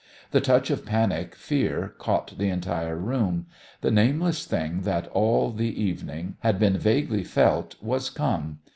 The touch of panic fear caught the entire room. The nameless thing that all the evening had been vaguely felt was come.